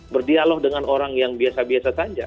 berdialog dengan orang yang biasa biasa saja